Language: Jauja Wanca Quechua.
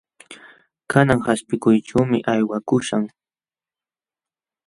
Kanan qaspiykuyćhuumi aywakuśhaq.